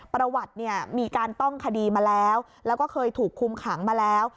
ประวัติเนี่ยมีการต้องคดีมาแล้วแล้วก็เคยถูกคุมขังมาแล้ว